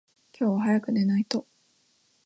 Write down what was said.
今日は早く寝ないと。